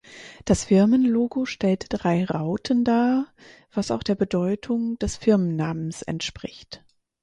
Das Firmenlogo stellt drei Rauten dar, was auch der Bedeutung des Firmennamens entspricht.